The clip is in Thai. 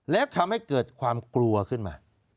แล้วทำให้เกิดความกลัวขึ้นมา